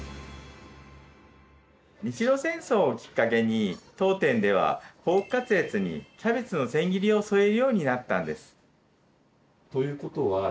日露戦争をきっかけに当店ではポークカツレツにキャベツの千切りを添えるようになったんです。